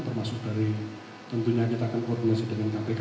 termasuk dari tentunya nyetakan koordinasi dengan kpk